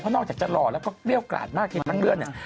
เพราะนอกจากจะหล่อแล้วก็เกรียวกราดมากที่ทั้งเรื่องเนี่ย